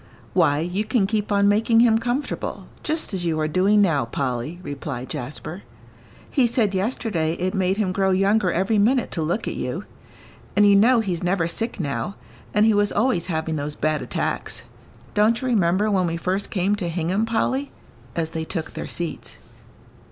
"Why, you can keep on making him comfortable, just as you are doing now, Polly," replied Jasper. "He said yesterday it made him grow younger every minute to look at you. And you know he's never sick now, and he was always having those bad attacks. Don't you remember when we first came to Hingham, Polly?" as they took their seats.